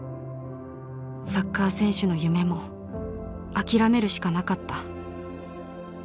サッカー選手の夢も諦めるしかなかった。